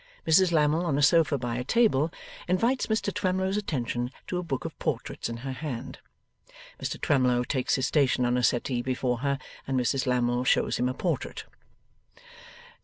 Mrs Lammle, on a sofa by a table, invites Mr Twemlow's attention to a book of portraits in her hand. Mr Twemlow takes his station on a settee before her, and Mrs Lammle shows him a portrait.